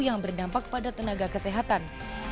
yang berdampak pada tenaga kesehatan